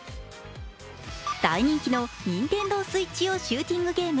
大人気のＮｉｎｔｅｎｄｏＳｗｉｔｃｈ用のシューティングゲーム